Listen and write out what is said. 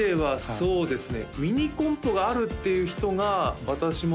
そうですね